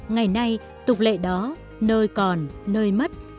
ngày nay tục lệ đó nơi còn nơi mất